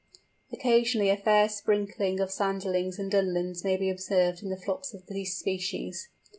Occasionally a fair sprinkling of Sanderlings and Dunlins may be observed in the flocks of this species.